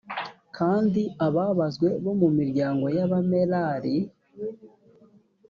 kandi ababazwe bo mu miryango y abamerari